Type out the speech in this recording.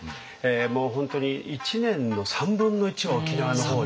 もう本当に一年の３分の１は沖縄の方に。